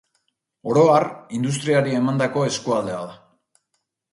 Oro har, industriari emandako eskualdea da.